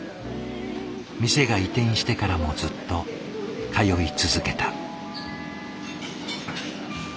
店が移転してからもずっと通い続けた。